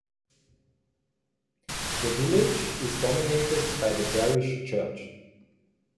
The village is dominated by the Parish Church.